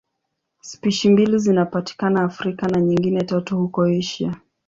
Spishi mbili zinapatikana Afrika na nyingine tatu huko Asia.